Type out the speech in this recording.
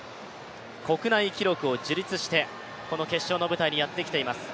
国内記録を樹立して、この決勝の舞台にやってきています。